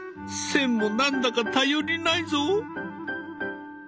線も何だか頼りないぞ。